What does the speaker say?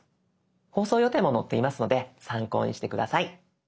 放送予定も載っていますので参考にして下さい。